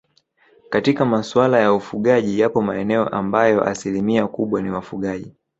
Katika maswala ya ufugaji yapo maeneo ambayo asilimia kubwa ni wafugaji